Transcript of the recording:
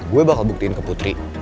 gue bakal buktiin ke putri